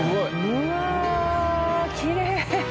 うわきれい！